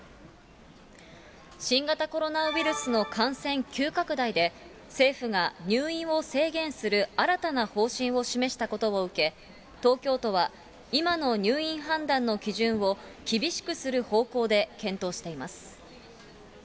新型コロナウイルスの感染急拡大で、政府が入院を制限する新たな方針を示したことを受け、東京都は今の入院判断の基準を厳しくする方向で検討しています。